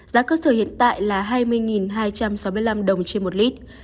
giá cơ sở hiện tại là hai mươi hai trăm sáu mươi năm đồng trên một lít